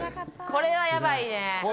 これはやばい。